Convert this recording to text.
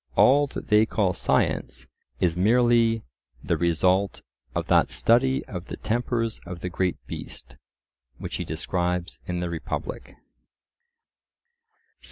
All that they call science is merely the result of that study of the tempers of the Great Beast, which he describes in the Republic.